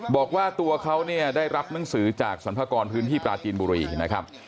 บอกว่าตัวเขาเนี่ยได้รับหนังสือจากสรรพากรพื้นที่ปลาจีนบุรีนะครับ